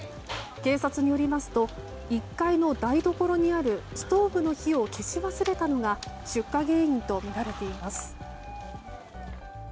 警察によりますと１階の台所にあるストーブの火を消し忘れたのが出火原因とみられています。